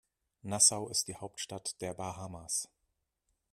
Nassau ist die Hauptstadt der Bahamas.